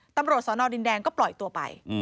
ตำรวจสอนอดินแดงก็ปล่อยตัวไป